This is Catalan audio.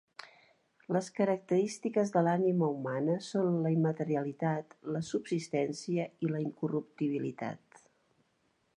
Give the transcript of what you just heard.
Les característiques de l'ànima humana són la immaterialitat, la subsistència i la incorruptibilitat.